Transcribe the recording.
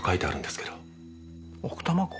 奥多摩湖？